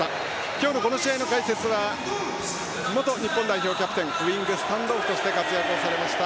今日のこの試合の解説は元日本代表キャプテンウイングスタンドオフとして活躍されました